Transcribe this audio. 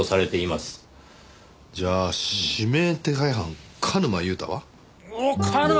じゃあ指名手配犯鹿沼雄太は？